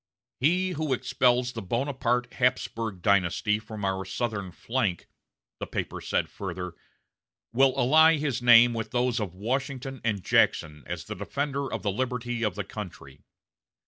'" "He who expels the Bonaparte Hapsburg dynasty from our southern flank," the paper said further, "will ally his name with those of Washington and Jackson as a defender of the liberty of the country.